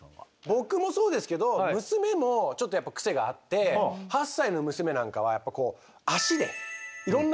僕もそうですけど娘もちょっとやっぱクセがあって８歳の娘なんかは足でいろんな物を触っちゃうんですよ。